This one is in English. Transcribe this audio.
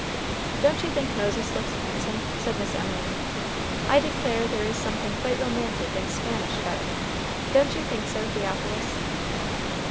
"Don't you think Moses looks handsome?" said Miss Emily. "I declare there is something quite romantic and Spanish about him; don't you think so, Theophilus?"